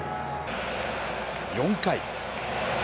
４回。